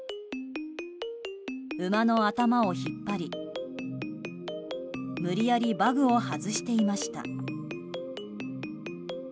馬の頭を引っ張り無理やり馬具を外していました。